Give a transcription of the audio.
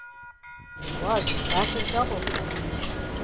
It was, in fact, a double celebration.